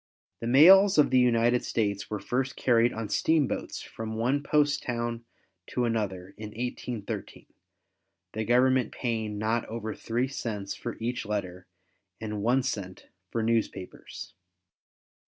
The mails of the United States were first carried on steamboats from one post town to another in 1813, the Government paying not over 3 cents for each letter and 1 cent for newspapers.